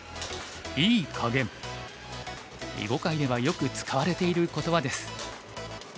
囲碁界ではよく使われている言葉です。